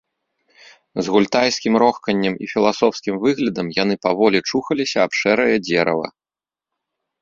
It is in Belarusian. З гультайскім рохканнем і філасофскім выглядам яны паволі чухаліся аб шэрае дзерава.